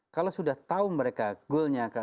kalau sudah tahu mereka goalnya